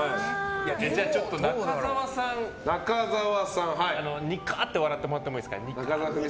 中沢さんにかーって笑ってもらってもいいですか。